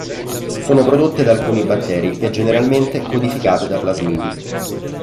Sono prodotte da alcuni batteri e generalmente codificate da plasmidi.